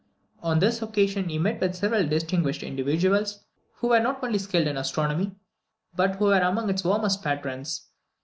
On this occasion he met with several distinguished individuals, who were not only skilled in astronomy, but who were among its warmest patrons.